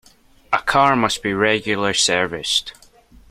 A car must be regularly serviced.